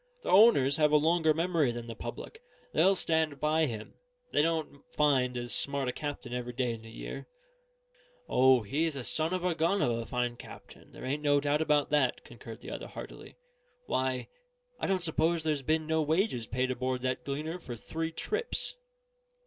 The owners have a longer memory than the public; they'll stand by him; they don't find as smart a captain every day in the year." "O, he's a son of a gun of a fine captain; there ain't no doubt of that," concurred the other, heartily. "Why, I don't suppose there's been no wages paid aboard that Gleaner for three trips."